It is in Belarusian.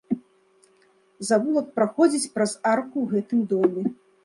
Завулак праходзіць праз арку ў гэтым доме.